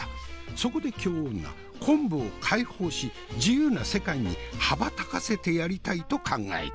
そこで京女昆布を解放し自由な世界に羽ばたかせてやりたいと考えた。